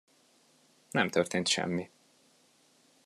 Nem történt semmi.